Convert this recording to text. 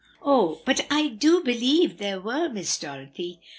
"Oh, but I do believe there were, Miss Dorothy!"